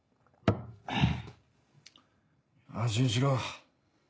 安心しろ。